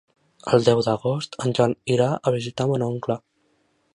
El deu d'agost en Jan irà a visitar mon oncle.